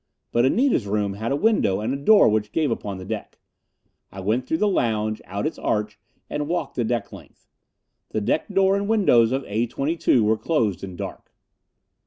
But Anita's room had a window and a door which gave upon the deck. I went through the lounge, out its arch, and walked the deck length. The deck door and window of A 22 were closed and dark.